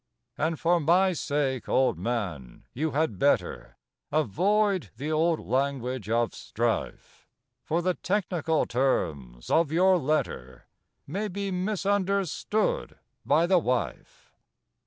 And, for my sake, old man, you had better Avoid the old language of strife, For the technical terms of your letter May be misunderstood by the wife.